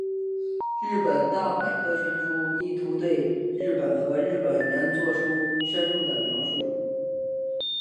日本大百科全书意图对日本和日本人作出深入的描述。